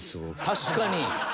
確かに！